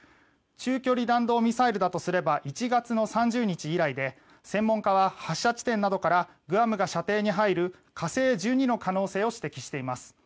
中距離弾道ミサイルだとすれば１月の３０日以来で専門家は発射地点などからグアムが射程に入る火星１２の可能性を指摘しています。